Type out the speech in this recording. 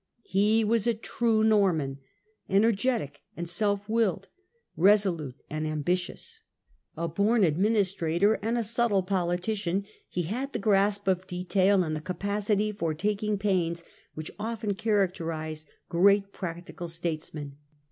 He was a true Norman, energetic and self willed, resolute and ambitious. A born administrator and a subtle politician, he had the grasp of detail and the capacity for taking pains which often characterize great practical statesmen.